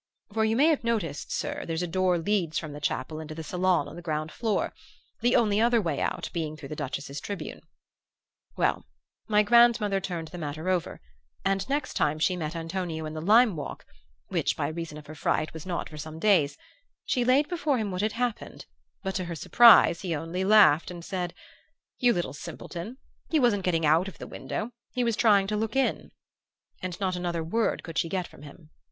For you may have noticed, sir, there's a door leads from the chapel into the saloon on the ground floor; the only other way out being through the Duchess's tribune. "Well, my grandmother turned the matter over, and next time she met Antonio in the lime walk (which, by reason of her fright, was not for some days) she laid before him what had happened; but to her surprise he only laughed and said, 'You little simpleton, he wasn't getting out of the window, he was trying to look in'; and not another word could she get from him.